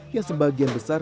yang sebagian besar wanita